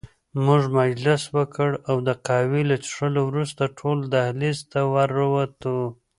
موږ مجلس وکړ او د قهوې له څښلو وروسته ټول دهلېز ته ور ووتو.